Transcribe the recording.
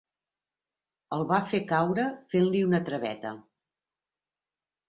El va fer caure fent-li una traveta.